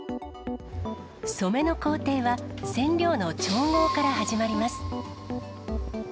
染めの工程は、染料の調合から始まります。